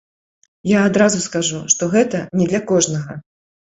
Я адразу скажу, што гэта не для кожнага.